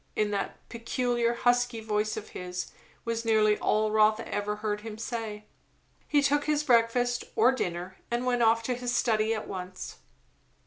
in that peculiar husky voice of his, was nearly all Rotha ever heard him say. He took his breakfast, or his dinner, and went off to his study at once.